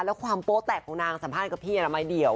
แล้วความโป๊แตกของนางสัมภาษณ์กับพี่อนามัยเดี่ยว